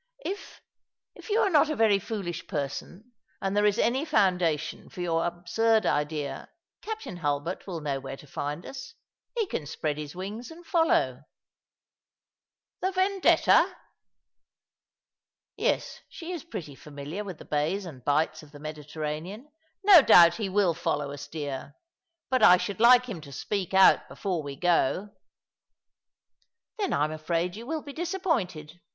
" If— if you are not a very foolish person, and there i^ ^^ No Sudden Fancy of an Ardent BoyT 207 any foundation for your absurd idea. Captain Hulbert will know where to find us. He can spread his wings and follow." " The Vendetta ? Yes, she is pretty familiar with the bays and bights of the Mediterranean. No doubt he will follow us, dear. But I should like him to speak out before we go." "Then I'm afraid you will be disappointed.